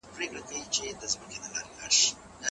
امیل دورکهایم د ټولنپوهنې بنسټ کیښود.